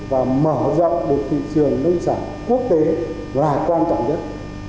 và mở rộng được thị trường nông sản quốc tế là quan trọng nhất